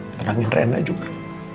tenangin rena juga